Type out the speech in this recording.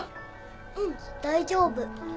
うん大丈夫。